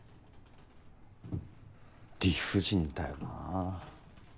理不尽だよなぁ。